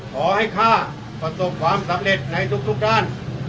ข้าประสบความสำเร็จในทุกด้าน